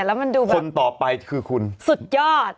แล้วมันดูคนต่อไปคือคุณสุดยอด